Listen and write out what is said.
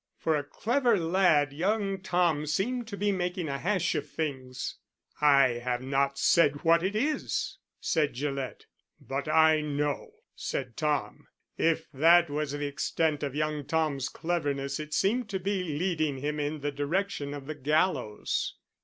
For a clever lad young Tom seemed to be making a hash of things. "I have not said what it is," said Gillett. "But I know," said Tom. If that was the extent of young Tom's cleverness it seemed to be leading him in the direction of the gallows.